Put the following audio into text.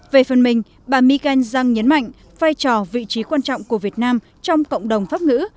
về phần mình bà mika en giang nhấn mạnh vai trò vị trí quan trọng của việt nam trong cộng đồng pháp ngữ